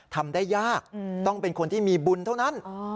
ทำได้ยากต้องเป็นคนที่มีบุญเท่านั้น